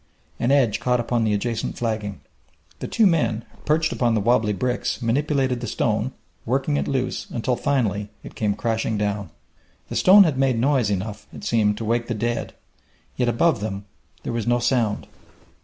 An edge caught upon the adjacent flagging. The two men, perched upon the wobbly bricks, manipulated the stone, working it loose, until, finally, it came crashing down. The stone had made noise enough, it seemed, to wake the dead; yet above them there was no sound.